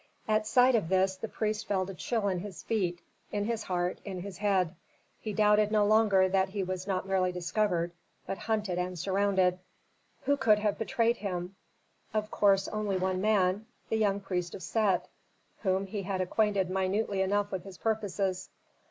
At sight of this the priest felt a chill in his feet, in his heart, in his head. He doubted no longer that he was not merely discovered, but hunted and surrounded. Who could have betrayed him? Of course only one man: the young priest of Set, whom he had acquainted minutely enough with his purposes.